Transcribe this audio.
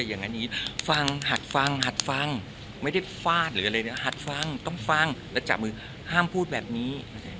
อย่างนี้ฟังหัดฟังหัดฟังไม่ได้ฟาดหรืออะไรนะหัดฟังต้องฟังแล้วจับมือห้ามพูดแบบนี้